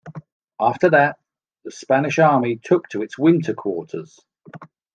After that, the Spanish army took its winter quarters.